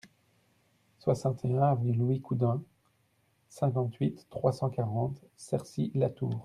soixante et un avenue Louis Coudant, cinquante-huit, trois cent quarante, Cercy-la-Tour